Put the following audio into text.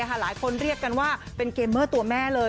หลายคนเรียกกันว่าเป็นเกมเมอร์ตัวแม่เลย